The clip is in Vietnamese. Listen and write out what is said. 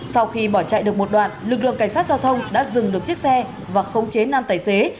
sau khi bỏ chạy được một đoạn lực lượng cảnh sát giao thông đã dừng được chiếc xe và khống chế nam tài xế